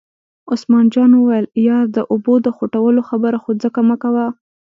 عثمان جان وویل: یار د اوبو د خوټولو خبره خو ځکه مکوه.